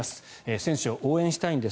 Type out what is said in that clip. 選手を応援したいんです